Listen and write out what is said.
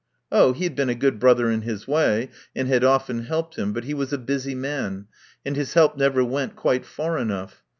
Oh, he had been a good brother in his way, and had often helped him, but he was a busy man, and his help never went quite far enough.